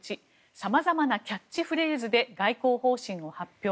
１さまざまなキャッチフレーズで外交方針を発表。